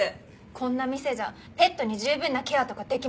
こんな店じゃペットに十分なケアとかできません。